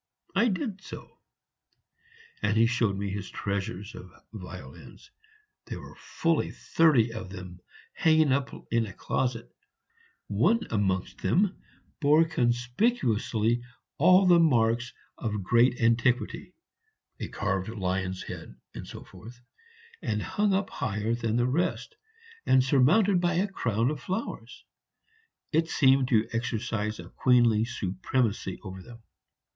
I did so; and he showed me his treasures of violins. There were fully thirty of them hanging up in a closet; one amongst them bore conspicuously all the marks of great antiquity (a carved lion's head, etc.), and, hung up higher than the rest, and surmounted by a crown of flowers, it seemed to exercise a queenly supremacy over them.